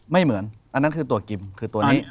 ไม่เหมือนอันนั้นคือตัวกิมคือตัวนี้